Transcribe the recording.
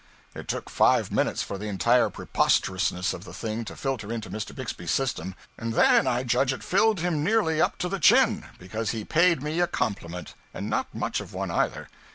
It took five minutes for the entire preposterousness of the thing to filter into Mr. Bixby's system, and then I judge it filled him nearly up to the chin; because he paid me a compliment and not much of a one either.